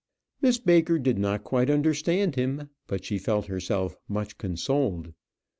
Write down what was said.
Miss Baker did not quite understand him, but she felt herself much consoled.